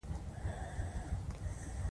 چا د آس اوږده لکۍ ور مچوله